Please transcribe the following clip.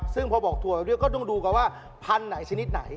ซึ่งพอบอกถั่วเรียกก็ต้องดูกันว่าพันธุ์ไหนชนิดไหน